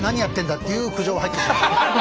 っていう苦情が入ってます。